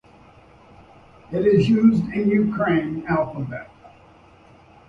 It is used in the Ukrainian alphabet.